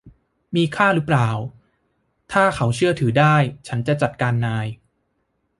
มีค่ารึเปล่า ถ้าเขาเชื่อถือได้ ฉันจะจัดการนาย